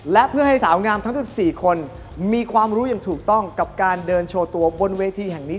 และเพื่อให้สาวงามทั้ง๑๔คนมีความรู้อย่างถูกต้องกับการเดินโชว์ตัวบนเวทีแห่งนี้